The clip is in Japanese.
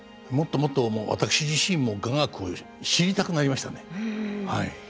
もっともっと私自身も雅楽を知りたくなりましたねはい。